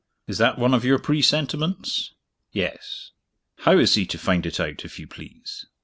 "Is that one of your presentiments?" "Yes." "How is he to find it out, if you please?"